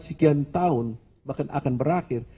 sekian tahun bahkan akan berakhir